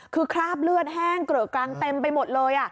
คือคราบเลือดแห้งเกลอะกลางเต็มไปหมดเลย